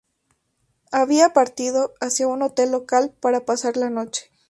Había partido hacia un hotel local para pasar la noche.